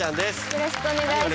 よろしくお願いします。